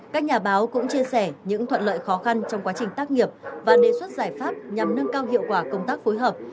các nhà báo cũng chia sẻ những thuận lợi khó khăn trong quá trình tác nghiệp và đề xuất giải pháp nhằm nâng cao hiệu quả công tác phối hợp